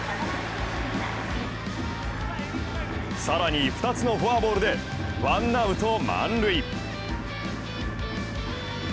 更に２つのフォアボールでワンアウト満塁。